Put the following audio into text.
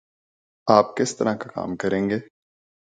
آپ کس طرح کا کام کریں گے؟